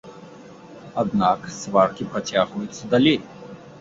Аднак сваркі працягваюцца далей.